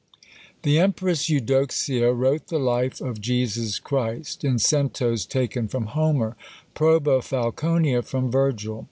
The Empress Eudoxia wrote the life of Jesus Christ, in centos taken from Homer; Proba Falconia from Virgil.